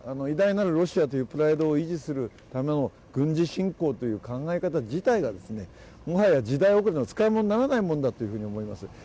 偉大なるロシアというプライドを維持する軍事侵攻という考え方自体がもはや時代遅れの、使い物にならないものだと思います。